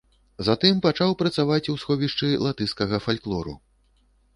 Затым пачаў працаваць у сховішчы латышскага фальклору.